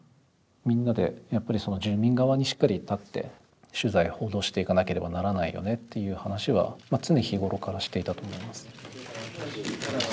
みんなでやっぱり住民側にしっかり立って取材報道していかなければならないよねっていう話は常日頃からしていたと思います。